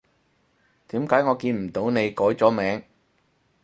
點解我見唔到你改咗名？